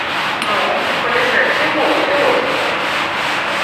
Ну, полезайте в воду, философы.